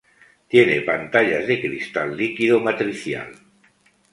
Tiene pantalla de cristal líquido matricial.